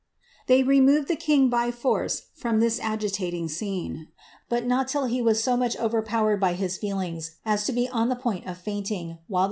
They removed the king by force from this agitating scene, but not till he was so much ovn> powered by his feelings as to be on the point of fainting, while the few * Count Hntnilton.